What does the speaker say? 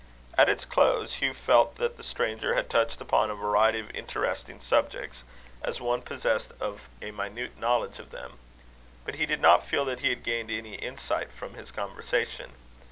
At its close, Hugh felt that the stranger had touched upon a variety of interesting subjects, as one possessed of a minute knowledge of them. But he did not feel that he had gained any insight from his conversation.